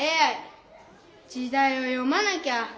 時だいを読まなきゃ。